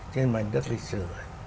trên mảnh đất lịch sử